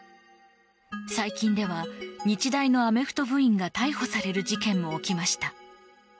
最近では日大のアメフト部員が逮捕される事件も起きました。